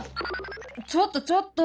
ちょっとちょっと！